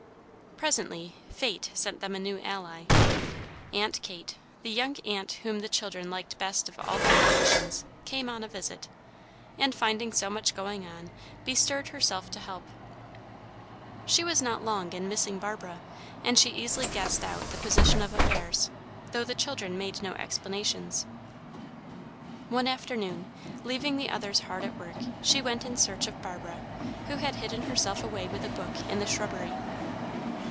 Presently Fate sent them a new ally. Aunt Kate, the young aunt whom the children liked best of all their relations, came on a visit, and, finding so much going on, bestirred herself to help. She was not long in missing Barbara, and she easily guessed out the position of affairs, though the children made no explanations. One afternoon, leaving the others hard at work, she went in search of Barbara, who had hidden herself away with a book, in the shrubbery.